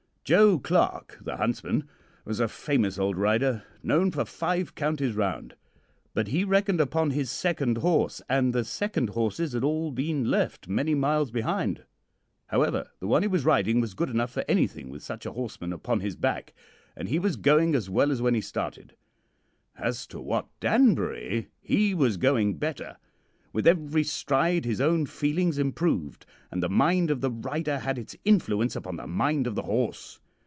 "Joe Clarke, the huntsman, was a famous old rider, known for five counties round; but he reckoned upon his second horse, and the second horses had all been left many miles behind. However, the one he was riding was good enough for anything with such a horseman upon his back, and he was going as well as when he started. As to Wat Danbury, he was going better. With every stride his own feelings improved, and the mind of the rider had its influence upon the mind of the horse.